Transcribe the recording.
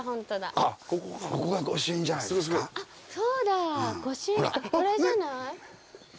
あっこれじゃない？